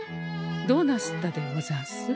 どうなすったでござんす？